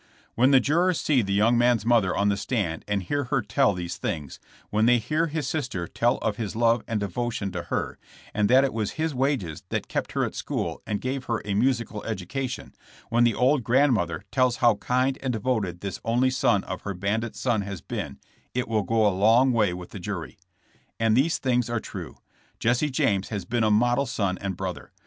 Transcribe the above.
When the jurors see the young man*s mother on the stand and hear her tell these things; when they hear his sister tell of his love and devotion to her, and that it was his wages that kept her at school and gave her a musical education; when the old grand mother tells how kind and devoted this only son of her bandit son has been, it will go a long way with the jury. And these things are true. Jesse James has been a model son and brother.